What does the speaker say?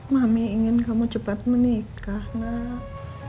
mami ingin kamu cepat menikah nak